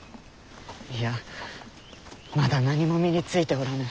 いやまだ何も身についておらぬ。